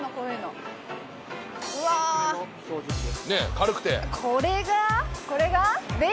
軽くて。